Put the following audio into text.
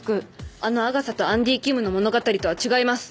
あのアガサとアンディキムの物語とは違います